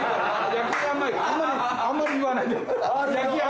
あんまり言わないで。